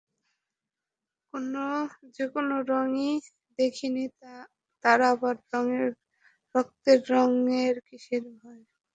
যে কোন রং ই দেখে নি, তার আবার রক্তের রং য়ের কিসের ভয়।